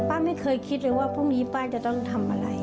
ไม่เคยคิดเลยว่าพรุ่งนี้ป้าจะต้องทำอะไร